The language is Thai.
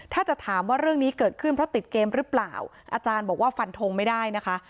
ถ้าจะถามว่าเรื่องนี้เกิดขึ้นเพราะติดเกมหรือเปล่าอาจารย์บอกว่าฟันทงไม่ได้นะคะ